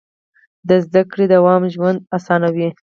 د زده کړې دوام ژوند اسانوي.